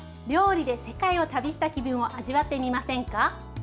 料理で世界を旅した気分を味わってみませんか？